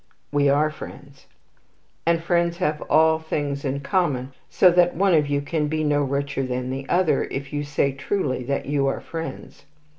"'We are friends.' "'And friends have all things in common, so that one of you can be no richer than the other, if you say truly that you are friends.'